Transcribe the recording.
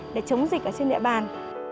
để chống dịch ở trên địa bàn